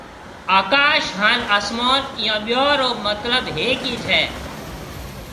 آڪاش هانَ آسمان اِيئون ٻيئون رو مطلب ھيَََڪج ھيََََ۔